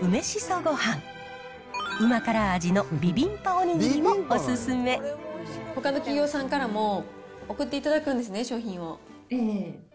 うま辛味のビビンパおにぎりもおほかの企業さんからも送っていただくんですね、商品を。